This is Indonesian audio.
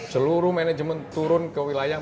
seluruh manajemen turun ke wilayah